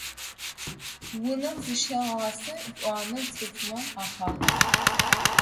Унэм зыщыгъасе етӏуанэ цӏыфмэ ахахь.